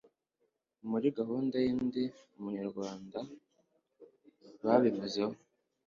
muri gahunda y' ndi umunyarwanda babivuzeho